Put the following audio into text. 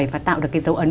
và tạo được cái dấu ấn